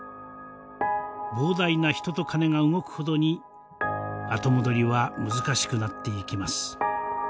膨大な人と金が動くほどに後戻りは難しくなっていきます。